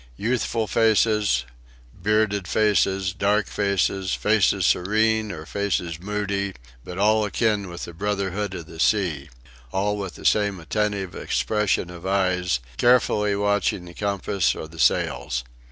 Youthful faces, bearded faces, dark faces: faces serene, or faces moody, but all akin with the brotherhood of the sea; all with the same attentive expression of eyes, carefully watching the compass or the sails.